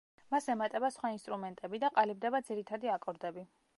მას ემატება სხვა ინსტრუმენტები და ყალიბდება ძირითადი აკორდები.